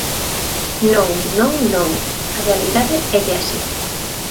Non, non, non, a realidade élle así.